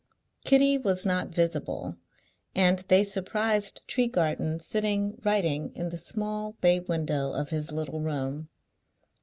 Kitty was not visible, and they surprised Tregarthen sitting writing in the small bay window of his little room.